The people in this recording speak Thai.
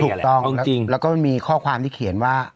ถูกต้องจริงแล้วก็มีข้อความที่เขียนว่า